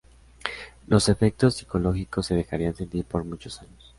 Los efectos psicológicos se dejarían sentir por muchos años.